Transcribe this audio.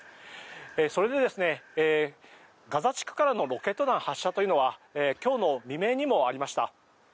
それで、ガザ地区からのロケット弾発射というのは今日の未明にもありました。